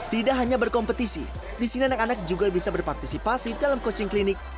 tidak hanya berkompetisi di sini anak anak juga bisa berpartisipasi dalam coaching klinik